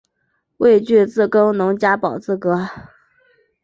未具自耕农加保资格